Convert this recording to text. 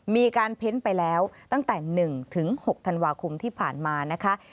มีการเพ้นไปแล้วตั้งแต่๑๖ธันวาคมที่ผ่านมานะคะ